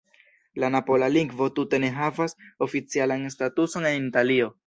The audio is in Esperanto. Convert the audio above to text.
La napola lingvo tute ne havas oficialan statuson en Italio.